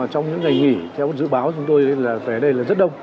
trong những ngày nghỉ theo dự báo chúng tôi là về đây là rất đông